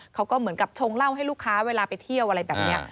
เขาก็เหมือนกับชงเหล้าให้ลูกค้าเวลาไปเที่ยวอะไรแบบนี้